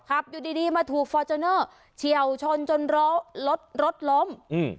อยู่ดีดีมาถูกฟอร์จูเนอร์เฉียวชนจนล้อรถรถล้มอืม